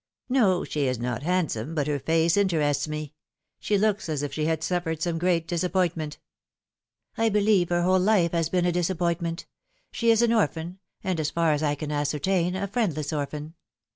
" No, she is not handsome, but her face interests me. She looks as if she had suffered some great disappointment." " I believe her whole life has been a disappointment. She is an orphan, and, as far as I can ascertain, a friendless orphan.